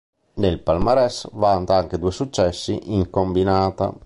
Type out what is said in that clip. Nel palmarès vanta anche due successi in combinata.